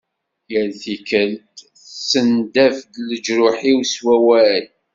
Yal tikelt tessendaf-d leǧruḥ-iw s wawal.